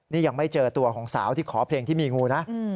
นี่ยังไม่เจอตัวของสาวที่ขอเพลงที่มีงูนะ